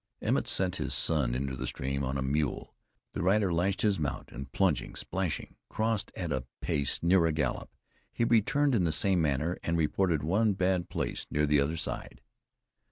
Emmett sent his son into the stream on a mule. The rider lashed his mount, and plunging, splashing, crossed at a pace near a gallop. He returned in the same manner, and reported one bad place near the other side.